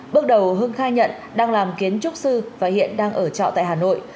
bước đầu hưng khai nhận đang làm kiến trúc sư và hiện đang ở trọ tại hà nội